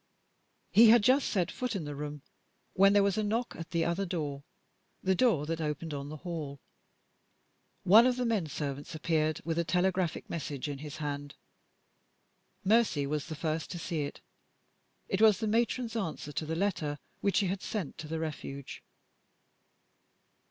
He had just set foot in the room, when there was a knock at the other door the door that opened on the hall. One of the men servants appeared, with a telegraphic message in his hand. Mercy was the first to see it. It was the Matron's answer to the letter which she had sent to the Refuge.